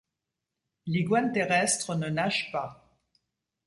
L'iguane terrestre ne nage pas.